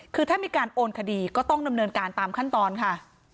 คือถ้ามีการโอนคดีก็ต้องดำเนินการตามขั้นตอนค่ะ